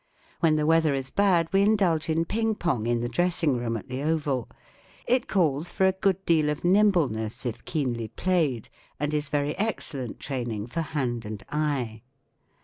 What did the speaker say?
When the weather is bad we indulge in ping pong in the dress¬ ing room at the Oval. It calls for a good deal of nimbleness if keenly played* and is very excellent training for hand and eye.